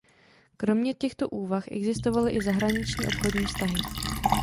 Kromě těchto úvah existovaly i zahraniční obchodní vztahy.